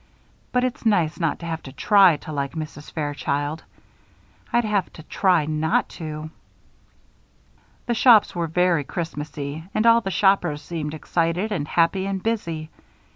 But it's nice not to have to try to like Mrs. Fairchild. I'd have to try not to." The shops were very Christmas y and all the shoppers seemed excited and happy and busy.